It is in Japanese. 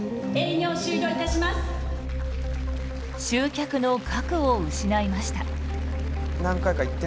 集客の核を失いました。